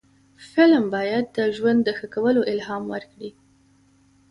فلم باید د ژوند د ښه کولو الهام ورکړي